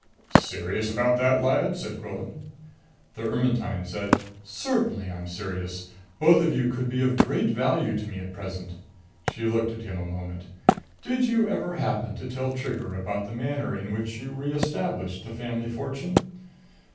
"Serious about that, Lyad?" asked Quillan. The Ermetyne said, "Certainly I'm serious. Both of you could be of great value to me at present." She looked at him a moment. "Did you ever happen to tell Trigger about the manner in which you re established the family fortune?"